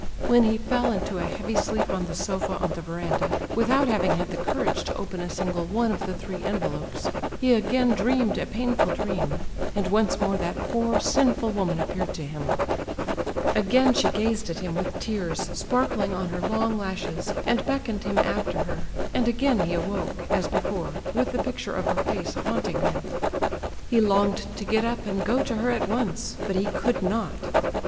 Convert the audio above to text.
When he fell into a heavy sleep on the sofa on the verandah, without having had the courage to open a single one of the three envelopes, he again dreamed a painful dream, and once more that poor, "sinful" woman appeared to him. Again she gazed at him with tears sparkling on her long lashes, and beckoned him after her; and again he awoke, as before, with the picture of her face haunting him. He longed to get up and go to her at once—but he could not.